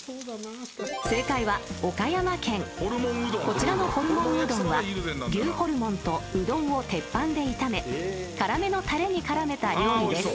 ［こちらのホルモンうどんは牛ホルモンとうどんを鉄板で炒め辛めのたれに絡めた料理です］